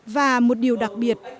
và một điều đặc biệt